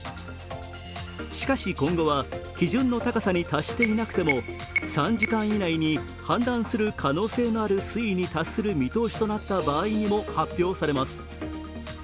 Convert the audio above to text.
しかし今後は、基準の高さに達していなくても３時間以内に氾濫する可能性のある推移に達する見通しとなった場合にも発表されます。